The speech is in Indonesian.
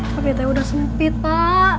tapi teh udah sempit pak